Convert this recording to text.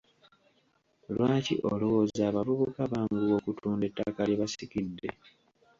Lwaki olowooza abavubuka banguwa okutunda ettaka lye basikidde?